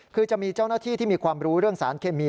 คือจะมีเจ้าหน้าที่ที่มีความรู้เรื่องสารเคมี